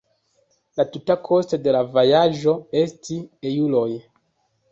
La tuta kosto de la vojaĝo estis eŭroj.